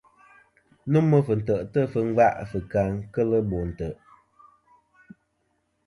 Nômɨ fɨ̀ntè'tɨ fɨ ngva fɨ̀ kà kel bo ntè'.